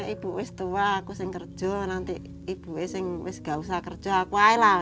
ibu itu tua aku yang kerja nanti ibu itu yang nggak usah kerja aku aja lah